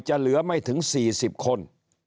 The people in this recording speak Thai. เหลือไม่ถึง๔๐คน